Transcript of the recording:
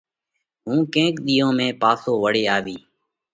هُون ڪينڪ ۮِيئون ۾ پاسو وۯي آوِيه۔”